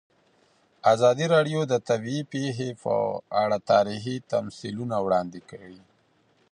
ازادي راډیو د طبیعي پېښې په اړه تاریخي تمثیلونه وړاندې کړي.